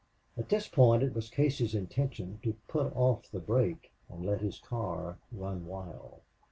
At this point it was Casey's intention to put off the brake and let his car run wild.